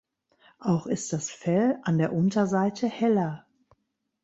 Auch ist das Fell an der Unterseite heller.